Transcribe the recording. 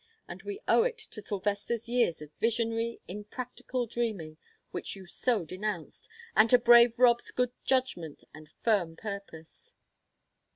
And we owe it to Sylvester's years of visionary, impractical dreaming, which you so denounced, and to brave Rob's good judgment and firm purpose."